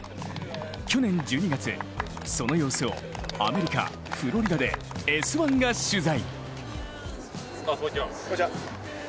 去年１２月、その様子をアメリカ・フロリダで「Ｓ☆１」が取材。